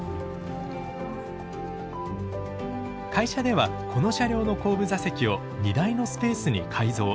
会社ではこの車両の後部座席を荷台のスペースに改造。